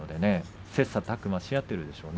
切さたく磨し合ってるでしょうね。